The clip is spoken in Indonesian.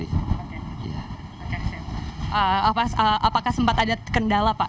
apakah sempat ada kendala pak